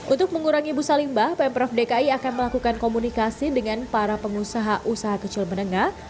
untuk mengurangi busa limbah pemprov dki akan melakukan komunikasi dengan para pengusaha usaha kecil menengah